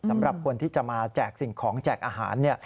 สำหรับคนที่จะมาแจกสิ่งของแจกอาหารเนี่ย